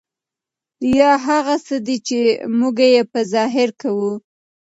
ریا هغه څه دي ، چي موږ ئې په ظاهره کوو.